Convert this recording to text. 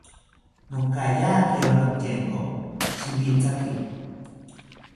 Nokayakiro notyenko shiwithaki